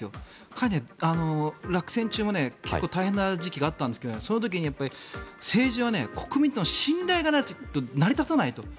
彼、落選中も結構大変な時期があったんですけどその時に政治は国民との信頼がないと成り立たないと。